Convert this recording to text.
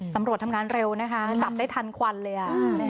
ตำรวจทำงานเร็วนะคะจับได้ทันควันเลยอ่ะ